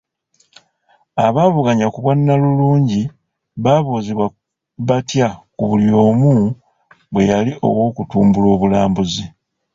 Abaavuganya ku bwannalulungi baabuuzibwa batya buli omu bwe yali ow'okutumbulamu obulambuzi.